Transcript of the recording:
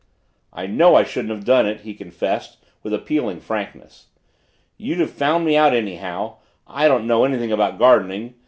"I know I shouldn't have done it!" he confessed with appealing frankness. "You'd have found me out anyhow! I don't know anything about gardening.